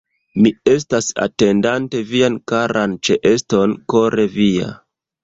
Mi estas, atendante vian karan ĉeeston, kore via.